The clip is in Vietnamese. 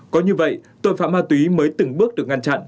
có như vậy tội phạm ma túy mới từng bước được ngăn chặn